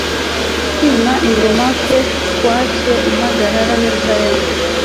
Kwima ingoma kwe kwatcye impagarara i Yerusalemu: